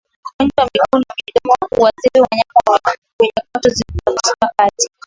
Ugonjwa wa miguu na midomo huathiri wanyama wenye kwato zilizopasuka kati